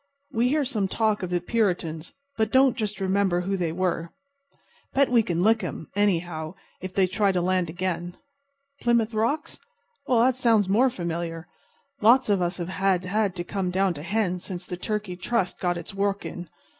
We hear some talk of the Puritans, but don't just remember who they were. Bet we can lick 'em, anyhow, if they try to land again. Plymouth Rocks? Well, that sounds more familiar. Lots of us have had to come down to hens since the Turkey Trust got its work in.